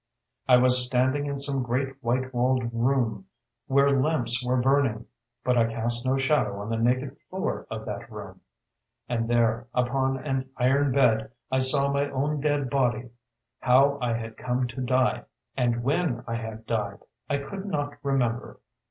"I was standing in some great white walled room, where lamps were burning; but I cast no shadow on the naked floor of that room, and there, upon an iron bed, I saw my own dead body. How I had come to die, and when I had died, I could not remember.